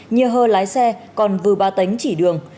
nhiê hơ lái xe còn vư ba tính chỉ đường